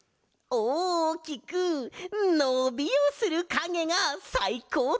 おおきくのびをするかげがさいこうとか？